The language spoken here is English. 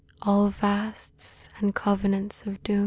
All vasts and covenants of doom.